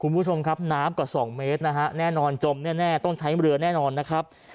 คุณผู้ชมครับน้ำกว่า๒เมตรนะฮะแน่นอนจมแน่ต้องใช้เรือแน่นอนนะครับ